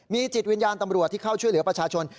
มีจิตวิญญาณตำรวจที่เข้าช่วยเหลือประชาชน